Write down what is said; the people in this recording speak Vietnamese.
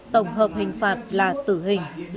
tổng hợp hình phạt là tử hình